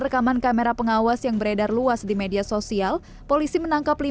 rekaman kamera pengawas yang beredar luas di media sosial polisi menangkap